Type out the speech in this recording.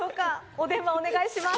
お電話、お願いします。